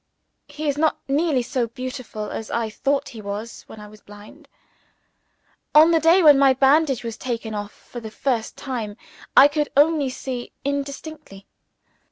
He is not nearly so beautiful as I thought he was when I was blind. On the day when my bandage was taken off for the first time, I could only see indistinctly.